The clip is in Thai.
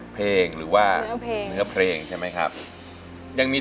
เพื่อรับความรับทราบของคุณ